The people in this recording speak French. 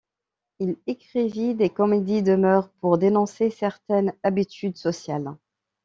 Il écrivit des comédies de mœurs pour dénoncer certaines habitudes sociales.